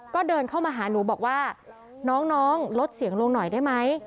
ก็เดินเข้ามาหาหนูบอกว่าน้องลดเสียงลงหน่อยได้ไหม